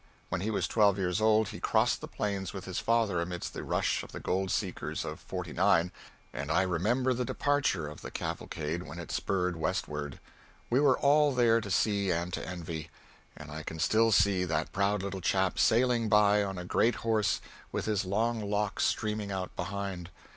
When he was twelve years old he crossed the plains with his father amidst the rush of the gold seekers of '49; and I remember the departure of the cavalcade when it spurred westward. We were all there to see and to envy. And I can still see that proud little chap sailing by on a great horse, with his long locks streaming out behind.